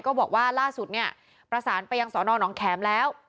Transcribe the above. ก็บอกว่าล่าสุดประสานไปยังสอนอนองแคมแล้ว